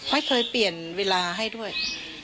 ไม่เคยเปลี่ยนเวลาให้ด้วย